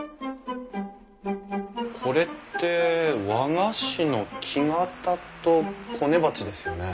これって和菓子の木型とこね鉢ですよね？